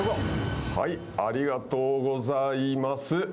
ありがとうございます。